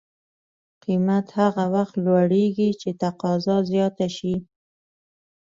قیمت هغه وخت لوړېږي چې تقاضا زیاته شي.